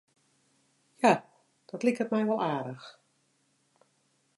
Ja, dat liket my wol aardich.